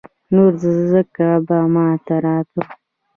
نو ځکه به ما ته راته.